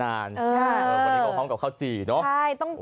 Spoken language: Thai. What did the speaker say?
วันนี้เขาพร้อมกับข้าวจี่เนอะ